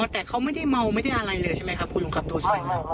แต่เขาไม่ได้เมาไม่ได้อะไรเลยใช่ไหมครับคุณลุงครับดูสิครับ